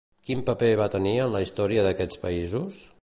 Quin paper va tenir en la història d'aquests països?